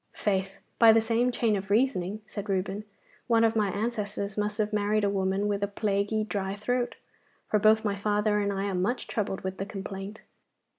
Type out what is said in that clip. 'Faith, by the same chain of reasoning,' said Reuben, 'one of my ancestors must have married a woman with a plaguy dry throat, for both my father and I are much troubled with the complaint.